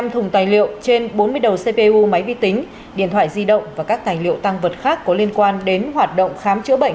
một trăm linh thùng tài liệu trên bốn mươi đầu cpu máy vi tính điện thoại di động và các tài liệu tăng vật khác có liên quan đến hoạt động khám chữa bệnh